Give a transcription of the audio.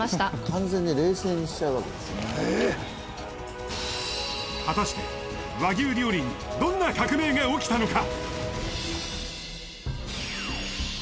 完全に冷製にしちゃうわけですね果たして和牛料理にどんな革命が起きたのか？